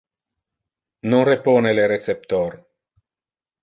Non repone le receptor!